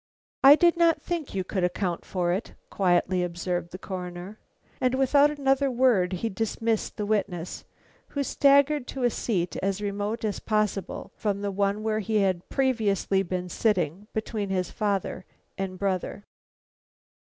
"I did not think you could account for it," quietly observed the Coroner. And without another word he dismissed the witness, who staggered to a seat as remote as possible from the one where he had previously been sitting between his father and brother.